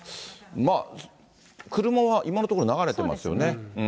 まあ、車は今のところ流れてますよね。